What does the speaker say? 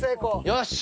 よし！